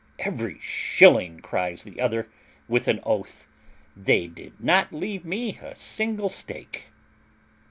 "Every shilling," cries the other, with an oath: "they did not leave me a single stake."